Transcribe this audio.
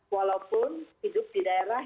walaupun hidup di daerah